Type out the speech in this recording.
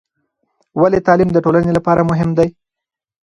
ولې تعلیم د ټولنې لپاره مهم دی؟